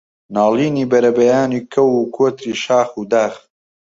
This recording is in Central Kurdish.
ناڵینی بەربەیانی کەو و کۆتری شاخ و داخ